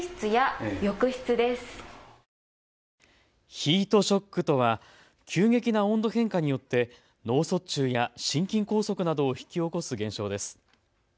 ヒートショックとは急激な温度変化によって脳卒中や心筋梗塞などを引き起こす現象です。